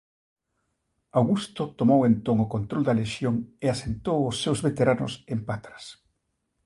Augusto tomou entón o control da lexión e asentou aos seus veteranos en Patras.